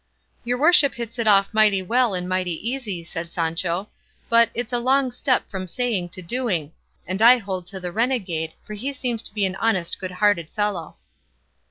"Your worship hits it off mighty well and mighty easy," said Sancho; "but 'it's a long step from saying to doing;' and I hold to the renegade, for he seems to me an honest good hearted fellow."